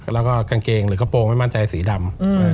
แล้วก็กางเกงหรือกระโปรงไม่มั่นใจสีดำ